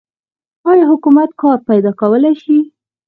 آیا حکومت کار پیدا کولی شي؟